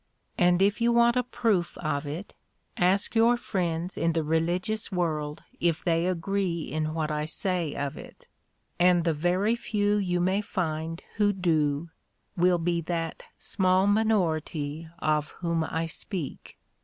And if you want a proof of it, ask your friends in the religious world if they agree in what I say of it, and the very few you may find who do, will be that small minority of whom I speak.